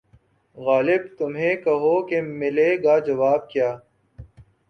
غالبؔ تمہیں کہو کہ ملے گا جواب کیا